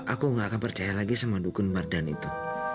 aku gak akan percaya lagi sama dukun mardan itu